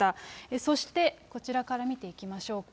そしてこちらから見ていきましょうか。